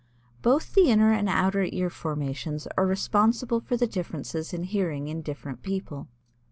Both the inner and outer ear formations are responsible for the differences in hearing in different people.